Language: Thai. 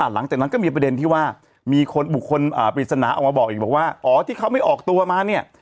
หลังจากนั้นก็มีประเด็นที่ว่ามีคนบุคคลปริศนาออกมาบอกอีกบอกว่าอ๋อที่เขาไม่ออกตัวมาเนี่ย